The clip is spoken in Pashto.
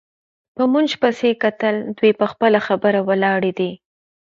په موږ پسې یې کتل، دوی پر خپله خبره ولاړې دي.